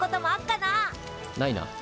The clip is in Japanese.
ないな。